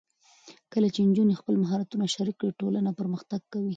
کله چې نجونې خپل مهارتونه شریک کړي، ټولنه پرمختګ کوي.